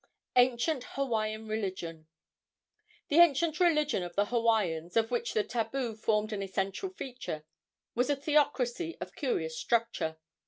ANCIENT HAWAIIAN RELIGION. The ancient religion of the Hawaiians, of which the tabu formed an essential feature, was a theocracy of curious structure.